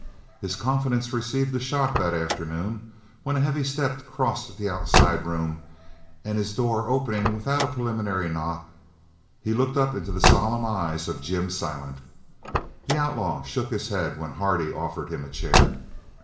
His confidence received a shock that afternoon when a heavy step crossed the outside room, and his door opening without a preliminary knock, he looked up into the solemn eyes of Jim Silent. The outlaw shook his head when Hardy offered him a chair.